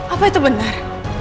apa itu bener